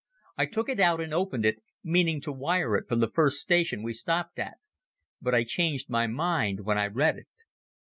I took it out and opened it, meaning to wire it from the first station we stopped at. But I changed my mind when I read it.